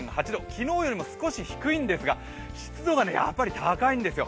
昨日よりも少し低いんですが、湿度が高いんですよ。